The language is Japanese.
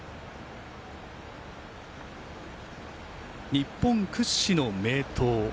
日本屈指の名湯